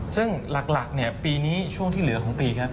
ซึ่งหลักปีนี้ช่วงที่เหลือของปีครับ